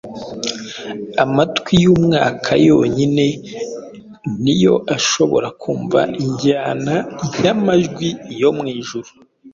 Amatwi y’umwuka yonyine ni yo ashobora kumva injyana y’amajwi yo mu ijuru.